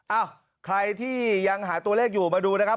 เอ้าใครที่ยังหาตัวเลขอยู่มาดูนะครับ